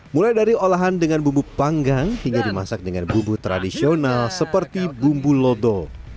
mulai dari olahan dengan bubuk panggang hingga dimasak dengan bumbu tradisional seperti bumbu lodo